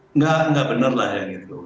enggak enggak bener lah yang itu